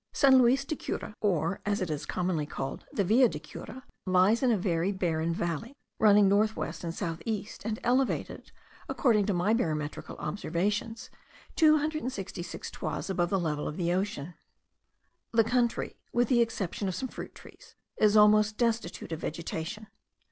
San Luis de Cura, or, as it is commonly called, the Villa de Cura, lies in a very barren valley, running north west and south east, and elevated, according to my barometrical observations, two hundred and sixty six toises above the level of the ocean. The country, with the exception of some fruit trees, is almost destitute of vegetation.